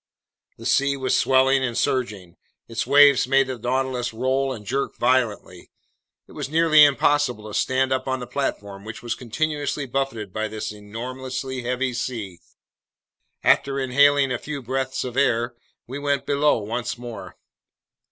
The sea was swelling and surging. Its waves made the Nautilus roll and jerk violently. It was nearly impossible to stand up on the platform, which was continuously buffeted by this enormously heavy sea. After inhaling a few breaths of air, we went below once more.